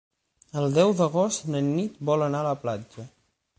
El deu d'agost na Nit vol anar a la platja.